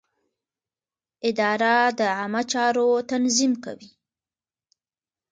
اداره د عامه چارو تنظیم کوي.